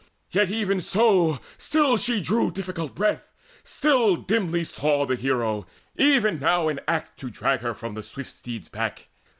Yet even so Still drew she difficult breath, still dimly saw The hero, even now in act to drag Her from the swift steed's back.